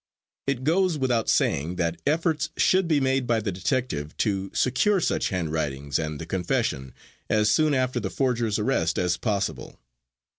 It goes without saying that efforts should be made by the detective to secure such handwritings and the confession as soon after the forger's arrest as possible.